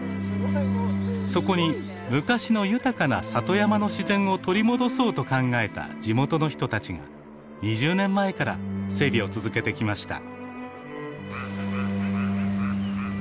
そこに「昔の豊かな里山の自然を取り戻そう」と考えた地元の人たちが２０年前から整備を続けてきました。